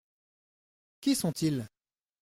Qui sont-ils ?